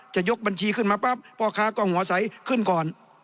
จะยกบัญชีขึ้นมาปั๊บพ่อค้ากล้องหัวใสขึ้นก่อน